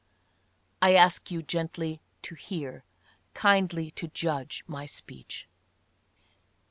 I ask you gently to hear, kindly to judge my speech.